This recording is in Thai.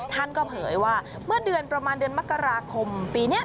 ท่านก็เผยว่าเมื่อเดือนประมาณเดือนมกราคมปีนี้